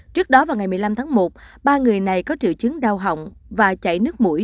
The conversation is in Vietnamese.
trước đó vào ngày một mươi năm tháng một ba người này có triệu chứng đau họng và chảy nước mũi